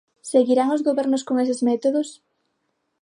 Seguirán os gobernos con eses métodos?